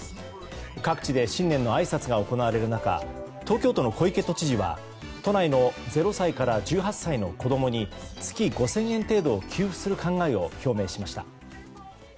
各地で新年のあいさつが行われる中東京都の小池都知事は都内の０歳から１８歳の子供に月５０００円程度を給付する考えを表明しました。